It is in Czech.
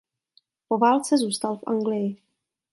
Po válce zůstal v Anglii.